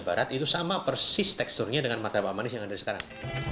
barat itu sama persis teksturnya dengan martabak manis yang ada sekarang